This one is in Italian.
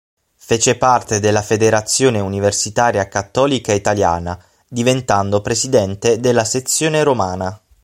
Fece parte della Federazione Universitaria Cattolica Italiana, diventando presidente della sezione romana.